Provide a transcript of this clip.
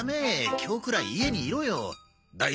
今日くらい家にいろよ。